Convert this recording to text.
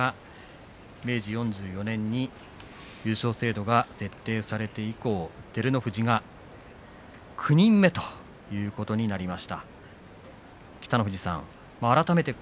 明治４２年に優勝制度が設定されて以降９人目ということになります。